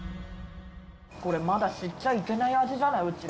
これまだ知っちゃいけない味じゃない？